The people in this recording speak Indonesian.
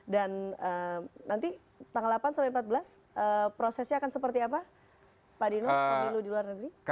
dan nanti tanggal delapan sampai empat belas prosesnya akan seperti apa pak dino pak dino di luar negeri